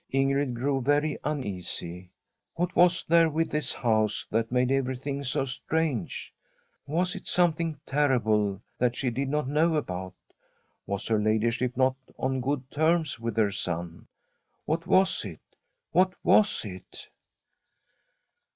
Ingrid grew very uneasy. What was there with this house that made everything so strange ? Was it something terrible that she did not know about ? Was her ladyship not on good terms with her son ? What was it, what was it